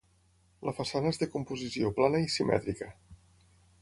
La façana és de composició plana i simètrica.